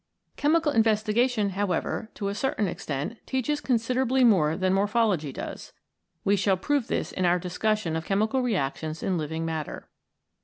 Chemical investigation, however, to a certain extent teaches considerably more than Morpho logy does. We shall prove this in our discussion of chemical reactions in living matter.